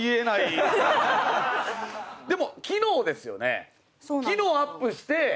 でも昨日ですよね？